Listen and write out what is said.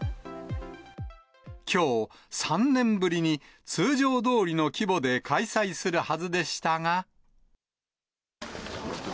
きょう、３年ぶりに通常どおりの規模で開催するはずでしたが。